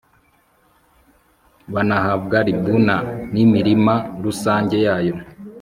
banahabwa libuna n'imirima rusange yayo